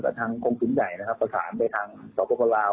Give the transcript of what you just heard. กับทางโครงศูนย์ใหญ่ของโครงศูนย์ละครับไปสารให้ทางท่อปปลาว